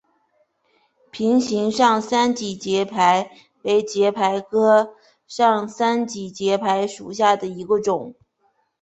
瓶形上三脊节蜱为节蜱科上三脊节蜱属下的一个种。